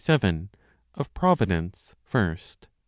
Of Providence, First.